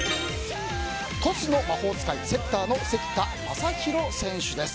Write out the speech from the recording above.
トスの魔法使いセッターの関田誠大選手です。